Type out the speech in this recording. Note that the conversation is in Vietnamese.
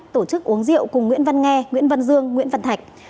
tổ chức uống rượu cùng nguyễn văn nghe nguyễn văn dương nguyễn văn thạch